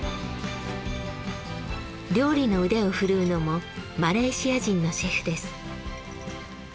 料理の腕を振るうのもマレーシア人のシェフです。